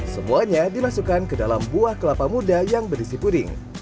semuanya dimasukkan ke dalam buah kelapa muda yang berisi puding